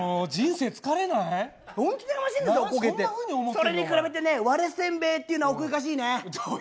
それに比べてね割れ煎餅っていうのは奥ゆかしいね。